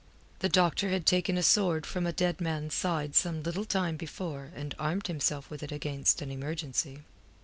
The doctor had taken a sword from a dead man's side some little time before and armed himself with it against an emergency.